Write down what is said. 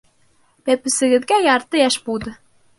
Бәпесегеҙгә ярты йәш булды.